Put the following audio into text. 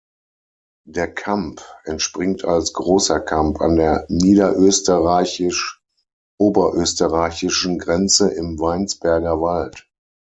Der Kamp entspringt als "Großer Kamp" an der niederösterreichisch-oberösterreichischen Grenze im Weinsberger Wald.